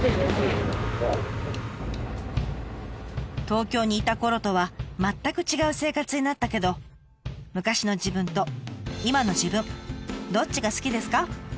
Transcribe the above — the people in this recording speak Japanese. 東京にいたころとは全く違う生活になったけど昔の自分と今の自分どっちが好きですか？